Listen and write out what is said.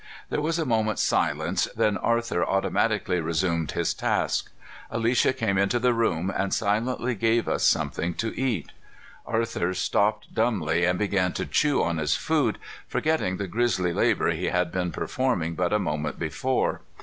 There was a moment's silence, then Arthur automatically resumed his task. Alicia came into the room and silently gave us something to eat. Arthur stopped dumbly and began to chew on his food, forgetting the grisly labor he had been performing but a moment before.